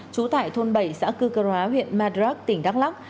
trú tại thôn bảy xã cư cơ hóa huyện madrak tỉnh đắk lắc